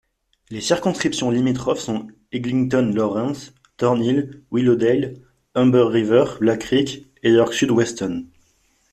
Les circonscriptions limitrophes sont Eglinton—Lawrence, Thornhill, Willowdale, Humber River—Black Creek et York-Sud—Weston.